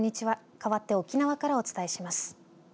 かわって沖縄からお伝えします。